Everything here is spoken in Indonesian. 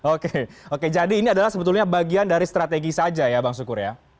oke oke jadi ini adalah sebetulnya bagian dari strategi saja ya bang sukur ya